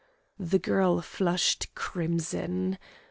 The girl flushed crimson.